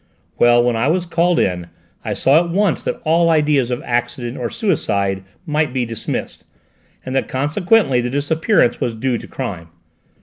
Well, when I was called in I saw at once that all ideas of accident or suicide might be dismissed, and that consequently the disappearance was due to crime.